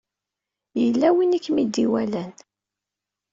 Yella win i kem-id-iwalan.